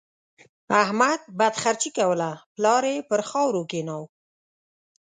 احمد بدخرڅي کوله؛ پلار يې پر خاورو کېناوو.